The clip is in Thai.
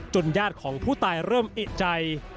ญาติของผู้ตายเริ่มเอกใจ